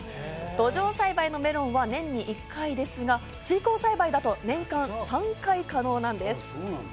土壌栽培のメロンは年に１回ですが、水耕栽培だと年間３回可能なんです。